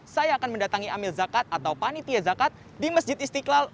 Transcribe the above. saya akan mendatangi amil zakat atau panitia zakat di masjid istiqlal